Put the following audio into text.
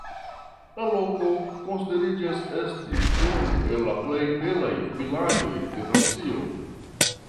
La loko konsideriĝas esti unu el la plej belaj vilaĝoj de Francio.